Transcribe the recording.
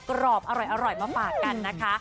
กรอบอร่อยมาฝากกันนะคะ